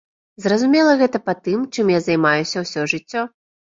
Зразумела гэта па тым, чым я займаюся ўсё жыццё.